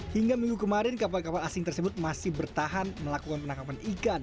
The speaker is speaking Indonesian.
hingga minggu kemarin kapal kapal asing tersebut masih bertahan melakukan penangkapan ikan